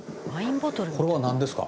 これはなんですか？